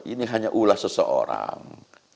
ini hanya ulah seseorang